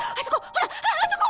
ほらあそこ！